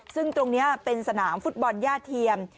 ซึ่งตรงนี้เป็นสนามฟุตบอลย่าเทียม